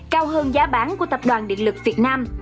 cao hơn giá bán của tập đoàn điện lực việt nam